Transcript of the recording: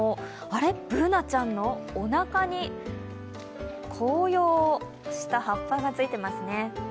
あれっ、Ｂｏｏｎａちゃんのおなかに紅葉した葉っぱがついてますね。